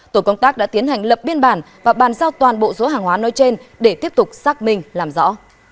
tổ công tác đã tiến hành lập biên bản và bàn giao toàn bộ số hàng hóa nơi trên để tiếp tục xác minh làm rõ